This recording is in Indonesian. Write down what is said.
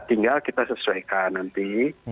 tinggal kita sesuaikan nanti